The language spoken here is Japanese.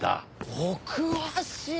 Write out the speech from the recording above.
お詳しい！